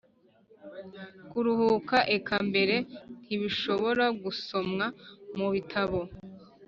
kuruhuka; eka mbere ntibishobora gusomwa mu bitabo